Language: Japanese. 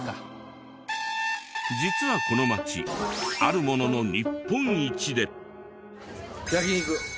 実はこの町あるものの日本一で。